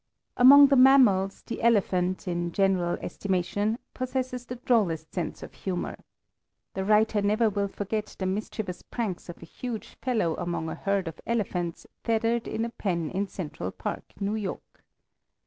Among the mammals, the elephant, in general estimation, possesses the drollest sense of humor. The writer never will forget the mischievous pranks of a huge fellow among a herd of elephants tethered in a pen in Central Park, New York.